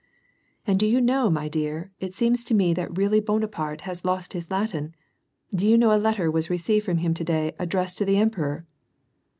" And do you know, my dear, it seems to me that really Bonaparte ' has lost his Latin.' Did you know a letter vas received from him to day addressed to the emperor